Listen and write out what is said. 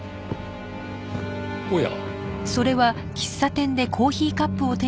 おや。